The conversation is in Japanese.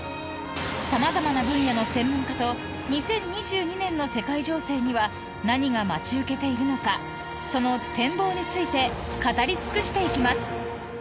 ［様々な分野の専門家と２０２２年の世界情勢には何が待ち受けているのかその展望について語り尽くしていきます］